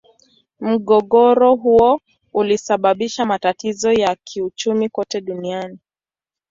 Mgogoro huo ulisababisha matatizo ya kiuchumi kote duniani.